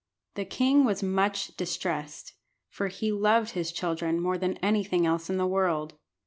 The king was much distressed, for he loved his children more than anything else in the world.